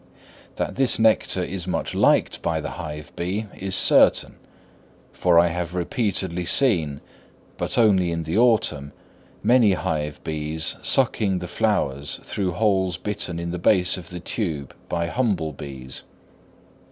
That this nectar is much liked by the hive bee is certain; for I have repeatedly seen, but only in the autumn, many hive bees sucking the flowers through holes bitten in the base of the tube by humble bees.